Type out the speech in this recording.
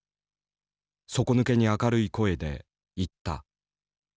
底抜けに明るい声で言った。